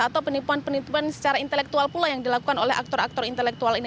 atau penipuan penipuan secara intelektual pula yang dilakukan oleh aktor aktor intelektual ini